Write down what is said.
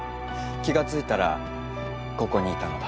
気が付いたらここにいたのだ。